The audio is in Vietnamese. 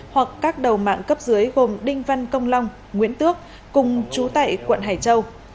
hoặc các đầu mạng cấp dưới gồm đinh văn công long nguyễn tước cùng chú tại quận hải châu